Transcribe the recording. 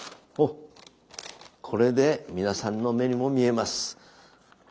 これで皆さんの目にも見えます。